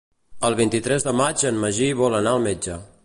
El vint-i-tres de maig en Magí vol anar al metge.